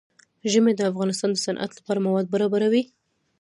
ژمی د افغانستان د صنعت لپاره مواد برابروي.